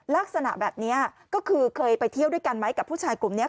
ลักษณะแบบนี้ก็คือเคยไปเที่ยวด้วยกันไหมกับผู้ชายกลุ่มนี้